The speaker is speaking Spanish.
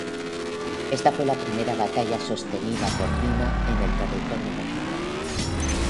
Esta fue la primera batalla sostenida por Mina en territorio mexicano.